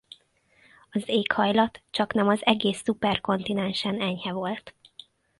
Az éghajlat csaknem az egész szuperkontinensen enyhe volt.